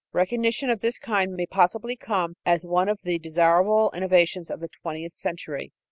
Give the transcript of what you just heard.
Recognition of this kind may possibly come as one of the desirable innovations of the twentieth century.